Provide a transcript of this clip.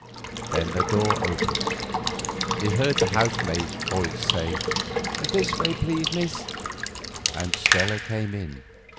Then the door opened, he heard the housemaid's voice say, "This way please, Miss," and Stella came in.